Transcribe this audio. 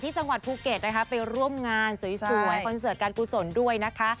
จังหวัดภูเก็ตนะคะไปร่วมงานสวยคอนเสิร์ตการกุศลด้วยนะคะ